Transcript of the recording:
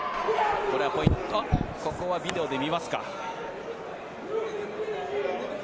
ここはビデオで見ますか。